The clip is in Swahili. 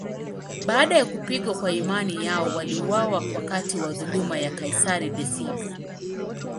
Baada ya kupigwa kwa imani yao, waliuawa wakati wa dhuluma ya kaisari Decius.